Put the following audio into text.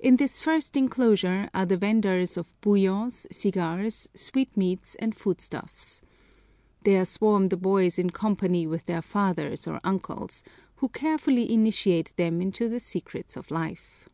In this first enclosure are the vendors of buyos, cigars, sweetmeats, and foodstuffs. There swarm the boys in company with their fathers or uncles, who carefully initiate them into the secrets of life.